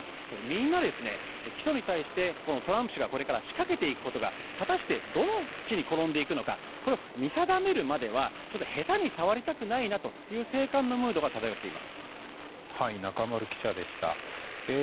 みんな、起訴に対してトランプ氏がこれから仕掛けていくことが果たしてどっちに転んでいくのかこれを見定めるまではへたに触りたくないなという中丸記者でした。